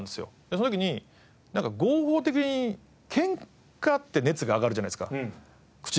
その時に合法的にケンカって熱が上がるじゃないですか口喧嘩って。